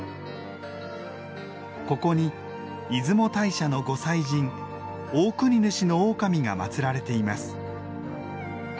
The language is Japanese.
ここに出雲大社のご祭神オオクニヌシノオオカミが祀られています。